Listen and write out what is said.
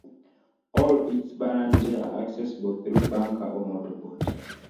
All its barangay are accessible through banca or motorboat.